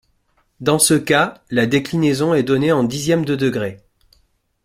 Dans ce cas, la déclinaison est donnée en dixièmes de degrés.